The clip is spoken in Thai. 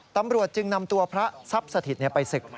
ตำรวจจึงนำตัวพระทรัพย์สถิตไปศึก